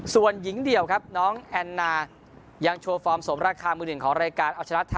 ส่วนหญิงเดี่ยวน้องแอนนายังโชว์ฟอร์มสมราคามือหนึ่งของรายการ